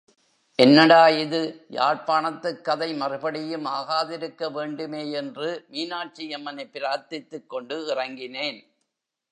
என்னடா இது, யாழ்ப்பாணத்துக் கதை மறுபடியும் ஆகாதிருக்க வேண்டுமே யென்று, மீனாட்சி அம்மனைப் பிரார்த்தித்துக்கொண்டு இறங்கினேன்.